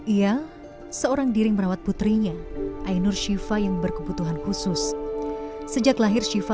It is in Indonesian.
ia seorang diri merawat putrinya ainur shiva yang berkebutuhan khusus sejak lahir syifa